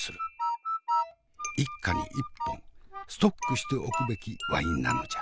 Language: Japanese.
一家に１本ストックしておくべきワインなのじゃ。